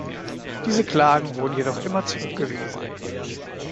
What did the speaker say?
Diese Klagen wurden jedoch immer zurückgewiesen.